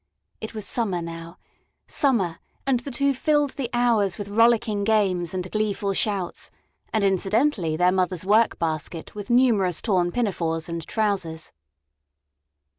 It was summer, now summer, and the two filled the hours with rollicking games and gleeful shouts and incidentally their mother's workbasket with numerous torn pinafores and trousers.